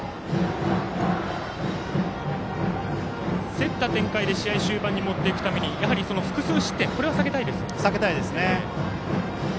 競った展開で試合終盤に持っていくために避けたいですね。